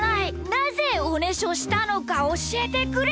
なぜおねしょしたのかおしえてくれ！